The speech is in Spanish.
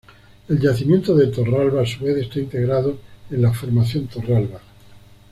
El yacimiento de Torralba, a su vez, está integrado en la Formación Torralba.